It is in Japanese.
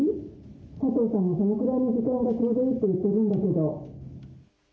佐藤さんもそのくらいの時間がちょうどいいって言ってるんだけど」。